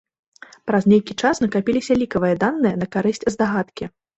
Праз нейкі час накапіліся лікавыя даныя на карысць здагадкі.